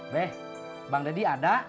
beh bang deddy ada